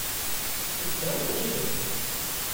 Tettemsefhamem yid-s?